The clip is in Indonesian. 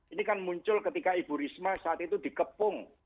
ini kan muncul ketika ibu risma saat itu dikepung